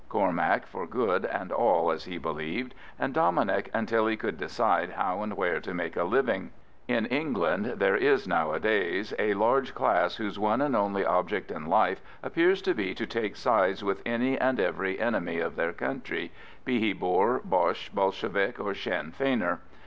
Cormac for good and all as he believed, and Dominic until he could decide how and where to make a living. In England there is nowadays a large class whose one and only object in life appears to be to take sides with any and every enemy of their country, be he Boer, Boche, Bolshevik, or Sinn Feiner.